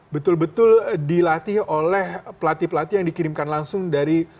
betul betul dilatih oleh pelatih pelatih yang dikirimkan langsung dari